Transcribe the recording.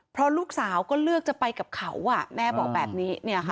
เพราะลูกสาวก็เลือกจะไปกับเขาแม่บอกแบบนี้